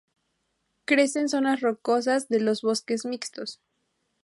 Crece en zonas rocosas de los bosques mixtos.